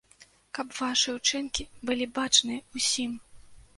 Каб вашыя ўчынкі былі бачныя ўсім.